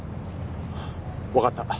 分かった。